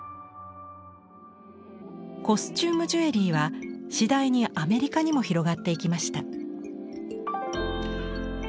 コスチュームジュエリーは次第にアメリカにも広がっていきました。